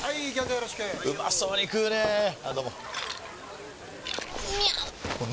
よろしくうまそうに食うねぇあどうもみゃう！！